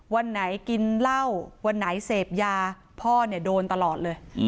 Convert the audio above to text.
วันไหนกินเหล้าวันไหนเสพยาพ่อเนี่ยโดนตลอดเลย